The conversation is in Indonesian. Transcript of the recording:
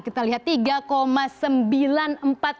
kita lihat tiga tujuh triliun rupiah